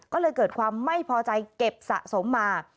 ก็เลยเกิดความไม่พอใจเก็บสะสมมา